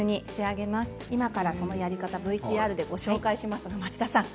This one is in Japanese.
今からそのやり方ＶＴＲでご紹介しますが町田さん